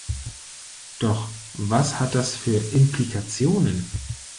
Doch was hat das für Implikationen?